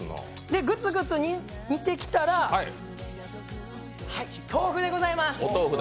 グツグツ煮てきたら、豆腐でございます。